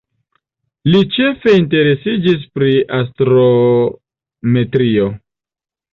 Li ĉefe interesiĝis pri astrometrio.